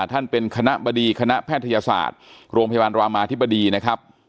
ท่านเป็นคณะบดีคณะแพทยศาสตร์โรงพยาบาลรามาธิบดีนะครับ